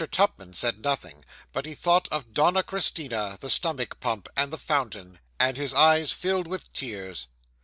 Tupman said nothing; but he thought of Donna Christina, the stomach pump, and the fountain; and his eyes filled with tears.